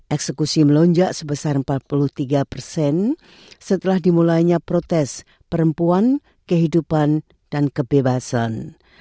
eksekusi melonjak sebesar empat puluh tiga persen setelah dimulainya protes perempuan kehidupan dan kebebasan